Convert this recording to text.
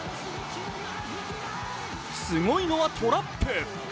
すごいのはトラップ。